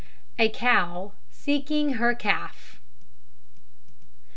A COW SEEKING HER CALF.